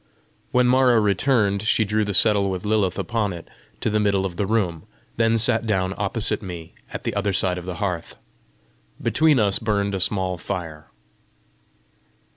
When Mara returned, she drew the settle with Lilith upon it to the middle of the room, then sat down opposite me, at the other side of the hearth. Between us burned a small fire.